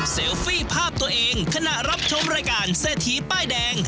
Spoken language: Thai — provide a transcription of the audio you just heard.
ฟี่ภาพตัวเองขณะรับชมรายการเศรษฐีป้ายแดง